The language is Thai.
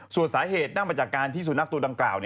ส่วนสาเหตุนั่งมาจากการที่สุนัขตัวดังกล่าว